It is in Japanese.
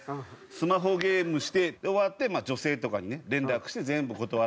スマホゲームして終わって女性とかにね連絡して全部断られて。